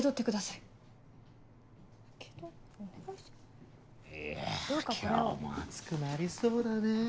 いや今日も暑くなりそうだね。